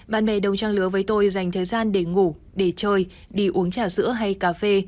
bạn bè đồng trang lứa với tôi dành thời gian để ngủ để chơi đi uống trà sữa hay cà phê